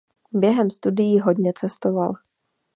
Během studií hodně cestoval.